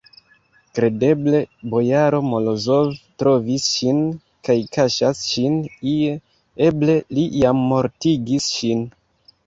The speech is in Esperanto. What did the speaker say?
Kredeble, bojaro Morozov trovis ŝin kaj kaŝas ŝin ie, eble li jam mortigis ŝin!